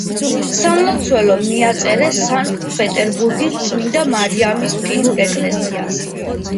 სამლოცველო მიაწერეს სანქტ-პეტერბურგის წმინდა მარიამის ფინურ ეკლესიას.